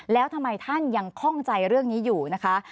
แล้วทำไมท่านยังคล่องใจเรื่องนี้อยู่นะคะ